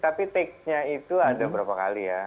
tapi takenya itu ada berapa kali ya